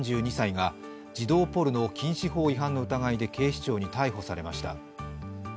３２歳が児童ポルノ禁止法違反の疑いで警視庁に逮捕されました。